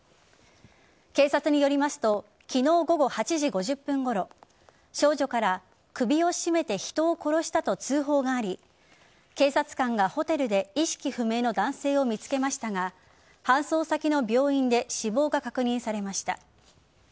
警察によりますと昨日午後８時５０分ごろ少女から首を絞めて人を殺したと通報があり警察官がホテルで意識不明の男性を見つけましたが搬送先の病院で死亡が確認されました。